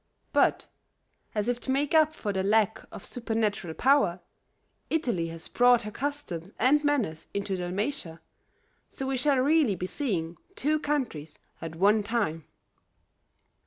But, as if to make up for that lack of supernatural power, Italy has brought her customs and manners into Dalmatia, so we shall really be seeing two countries at one time."